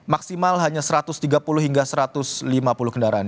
maksimal hanya satu ratus tiga puluh hingga satu ratus lima puluh kendaraan